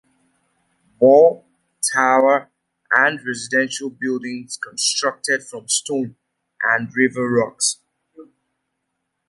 Wall, tower and residential building constructed from stone and river rocks.